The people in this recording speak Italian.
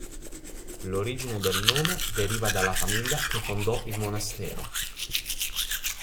L'origine del nome deriva dalla famiglia che fondò il monastero.